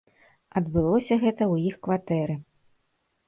Адбылося гэта ў іх кватэры.